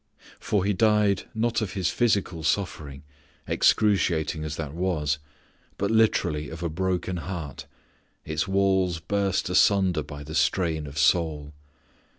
For He died not of His physical suffering, excruciating as that was, but literally of a broken heart, its walls burst asunder by the strain of soul.